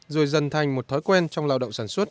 rồi dần thành một thói quen trong lao động sản xuất